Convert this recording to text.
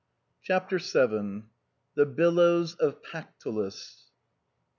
CHAPTEE VII. THE BILLOWS OF PACTOLDS.